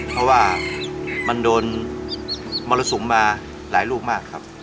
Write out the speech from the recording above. เพราะว่ามันโดนมรสุมมาหลายลูกมากครับ